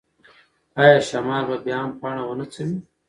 ایا شمال به بیا هم پاڼه ونڅوي؟